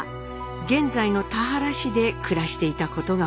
現在の田原市で暮らしていたことが分かりました。